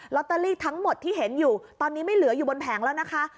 ตเตอรี่ทั้งหมดที่เห็นอยู่ตอนนี้ไม่เหลืออยู่บนแผงแล้วนะคะ